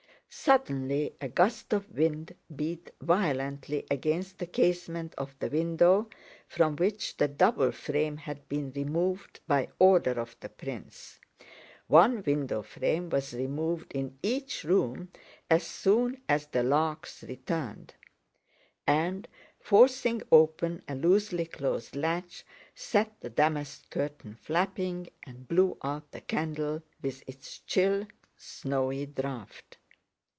Suddenly a gust of wind beat violently against the casement of the window, from which the double frame had been removed (by order of the prince, one window frame was removed in each room as soon as the larks returned), and, forcing open a loosely closed latch, set the damask curtain flapping and blew out the candle with its chill, snowy draft.